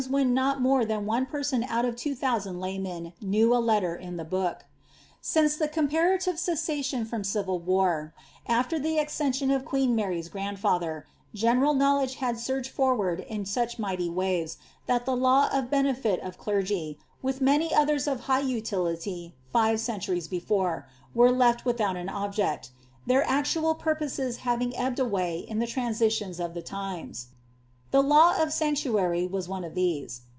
877 when not more than one person out of two thousand laymen knew a letter in the hook. Since the comparatiire cessation from civil war, after the accession of queen Mary's grandfather, general knowledge had surged forward in Huch mighty waves, that the law of benefit of clergy, with many others of high utility five centuries before, were left without an object — their actual purposes having ebbed away in the transitions of the times. The law of sanctuary was one of these.